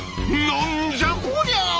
何じゃこりゃ！